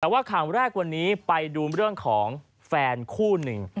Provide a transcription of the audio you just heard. แต่ว่าข่าวแรกวันนี้ไปดูเรื่องของแฟนคู่หนึ่ง